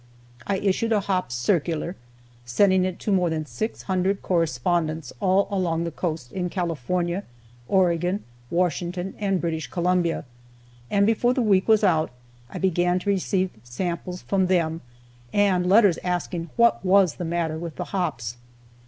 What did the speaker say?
I issued a hop circular, sending it to more than six hundred correspondents all along the coast in California, Oregon, Washington, and British Columbia, and before the week was out I began to receive samples from them, and letters asking what was the matter with the hops.